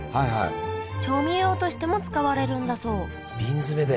調味料としても使われるんだそう瓶詰めで。